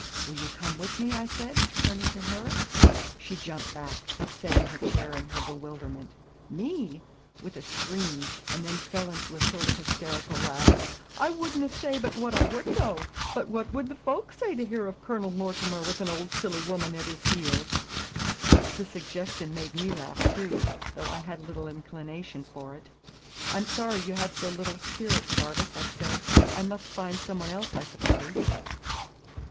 "Will you come with me?" I said, turning to her. She jumped back, upsetting her chair in her bewilderment. "Me!" with a scream, and then fell into a sort of hysterical laugh. "I wouldna say but what I would go; but what would the folk say to hear of Cornel Mortimer with an auld silly woman at his heels?" The suggestion made me laugh too, though I had little inclination for it. "I'm sorry you have so little spirit, Jarvis," I said. "I must find some one else, I suppose."